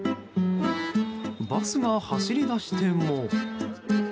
バスが走り出しても。